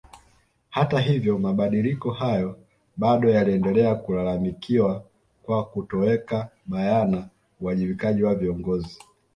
Hata hivyo mabadiliko hayo bado yaliendelea kulalamikiwa kwa kutoweka bayana uwajibikaji wa viongozi